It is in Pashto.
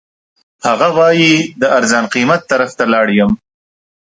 هغه وایي د ارزان قیمت طرف ته لاړ یم.